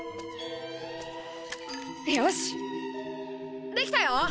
よしできたよ！